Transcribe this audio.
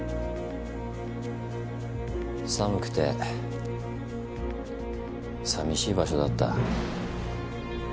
寒くて寂しい場所だった。